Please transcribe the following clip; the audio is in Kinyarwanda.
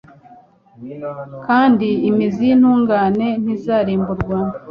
kandi imizi y’intungane ntizarimburwa